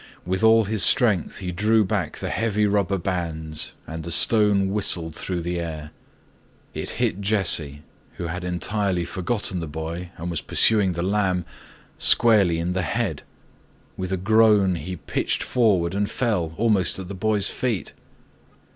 With all his strength he drew back the heavy rubber bands and the stone whistled through the air. It hit Jesse, who had entirely forgotten the boy and was pursuing the lamb, squarely in the head. With a groan he pitched forward and fell almost at the boy's feet.